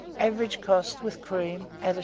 Average cost, with cream at 1s.